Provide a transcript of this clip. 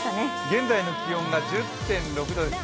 現在の気温が１０．６度です。